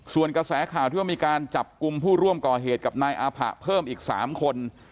ส่วนกระแสข่าวที่ว่ามีการจับกลุ่มผู้ร่วมก่อเหตุกับนายอาผะเพิ่มอีก๓คน